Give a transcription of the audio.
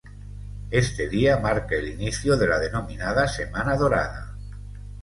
Este día marca el inicio de la denominada Semana Dorada.